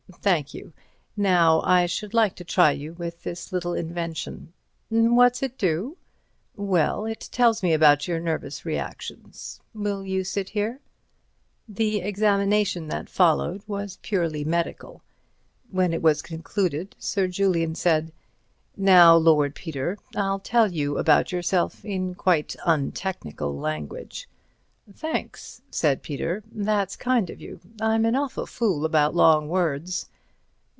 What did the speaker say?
Thank you. Now I should like to try you with this little invention." "What's it do?" "Well—it tells me about your nervous reactions. Will you sit here?" The examination that followed was purely medical. When it was concluded, Sir Julian said: "Now, Lord Peter, I'll tell you about yourself in quite untechnical language—" "Thanks," said Peter, "that's kind of you. I'm an awful fool about long words."